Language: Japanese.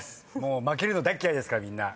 負けるの大嫌いですからみんな。